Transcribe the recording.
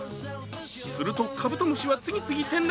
すると、カブトムシは次々転落。